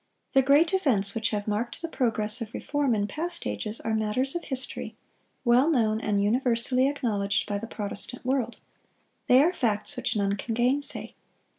The great events which have marked the progress of reform in past ages, are matters of history, well known and universally acknowledged by the Protestant world; they are facts which none can gainsay.